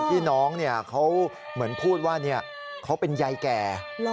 ที่น้องเขาเหมือนพูดว่าเขาเป็นยายแก่